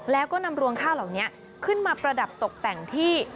แล้วก็นำรวงข้าวเหล่านี้ขึ้นมาประดับตกแต่งที่